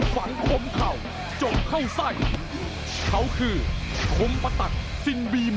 ฝังขมเข่าจบเข้าใส่